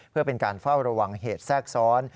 เพื่อเป็นการเฝ้าระวังเหตุแทรกซ้อน